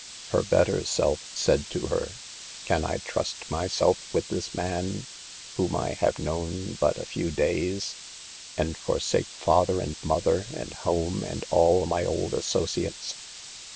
Her better self said to her :" Can I trust myself with this man, whom I have known but a few days, and forsake father and mother and home and all my old asso ciates?"